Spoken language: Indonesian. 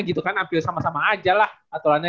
gitu kan hampir sama sama aja lah aturannya